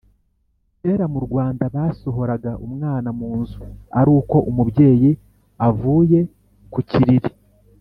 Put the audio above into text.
Kera murwanda basohoraga umwana munzu aruko umubyeyi avuye kukiriri